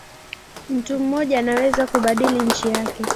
Mtu mmoja anaweza kuibadili nchi yake